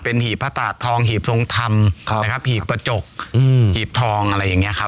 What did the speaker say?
เป็นหิบพระธาตุทองหิบทรงธรรมหีบอาจารย์หิบประจกหิบทองอะไรอย่างเงี้ยครับ